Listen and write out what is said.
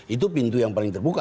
itu pintu yang paling terbuka